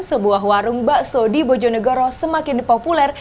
sebuah warung bakso di bojonegoro semakin populer